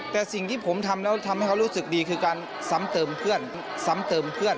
แต่สิ่งที่ผมทำแล้วทำให้เขารู้สึกดีคือการซ้ำเติมเพื่อนซ้ำเติมเพื่อน